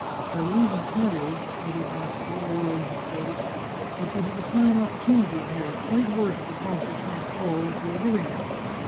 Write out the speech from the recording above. I will even tell you," added Rassi, low ering his voice, " that you have a fine opportunity here, quite worth the Cross of St. Paul that you are giving me.